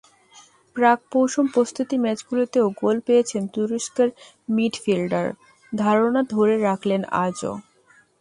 প্রাক-মৌসুম প্রস্তুতি ম্যাচগুলোতেও গোল পেয়েছেন তুরস্কের মিডফিল্ডার, ধারাটা ধরে রাখলেন আজও।